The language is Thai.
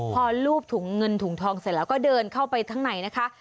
พอลูบถุงเงินถุงทองเสร็จแล้วก็เดินเข้าไปข้างในนะคะ